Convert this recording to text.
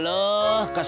pernah ga jugak